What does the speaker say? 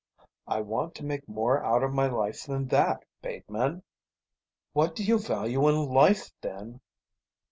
I want to make more out of my life than that, Bateman." "What do you value in life then?"